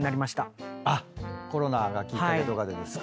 コロナがきっかけとかでですか。